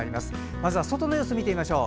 まずはその様子を見てみましょう。